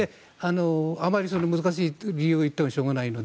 あまり難しいという理由を言ってもしょうがないので。